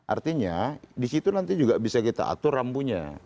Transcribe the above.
artinya di situ nanti juga bisa kita atur rambunya